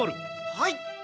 はい！